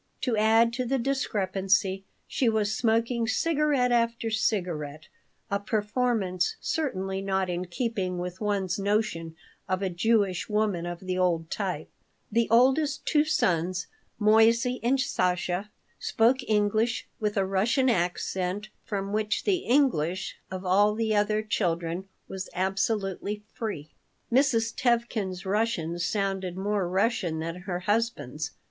To add to the discrepancy, she was smoking cigarette after cigarette, a performance certainly not in keeping with one's notion of a Jewish woman of the old type The oldest two sons, Moissey and Sasha, spoke English with a Russian accent from which the English of all the other children was absolutely free. Mrs. Tevkin's Russian sounded more Russian than her husband's.